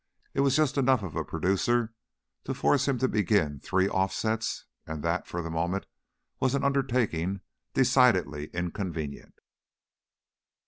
It was just enough of a producer to force him to begin three offsets and that, for the moment, was an undertaking decidedly inconvenient.